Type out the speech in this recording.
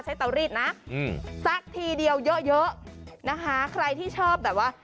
เตารีดนะอืมสักทีเดียวเยอะเยอะนะคะใครที่ชอบแบบว่า